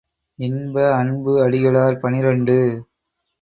இன்ப அன்பு அடிகளார் பனிரண்டு .